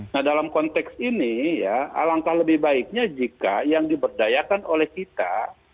nah dalam konteks ini ya alangkah lebih baiknya jika yang diberdayakan oleh kita